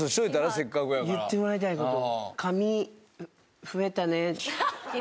せっかくやから言ってもらいたいこと？